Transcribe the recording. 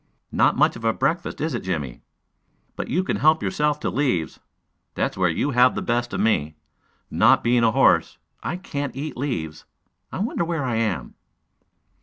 "Not much of a breakfast, is it, Jimmie? But you can help yourself to leaves. That's where you have the best of me. Not being a horse, I can't eat leaves. I wonder where I am!"